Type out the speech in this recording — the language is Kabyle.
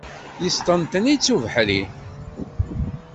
Yesṭenṭen-itt ubeḥri.